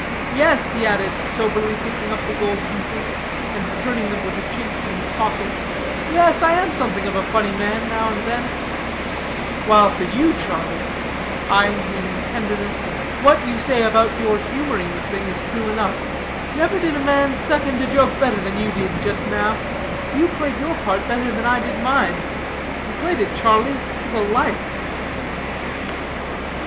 "Yes," he added, soberly picking up the gold pieces, and returning them with a chink to his pocket, "yes, I am something of a funny man now and then; while for you, Charlie," eying him in tenderness, "what you say about your humoring the thing is true enough; never did man second a joke better than you did just now. You played your part better than I did mine; you played it, Charlie, to the life."